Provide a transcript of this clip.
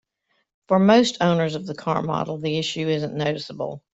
For most owners of the car model, the issue isn't noticeable.